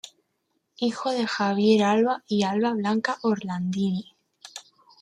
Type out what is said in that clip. Hijo de Javier Alva y Alva Blanca Orlandini.